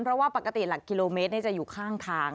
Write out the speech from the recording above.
เพราะว่าปกติหลักกิโลเมตรจะอยู่ข้างทาง